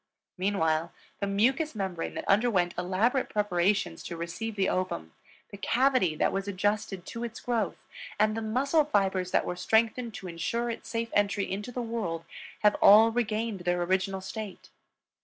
Meanwhile the mucous membrane that underwent elaborate preparations to receive the ovum, the cavity that was adjusted to its growth, and the muscle fibers that were strengthened to insure its safe entry into the world have all regained their original state.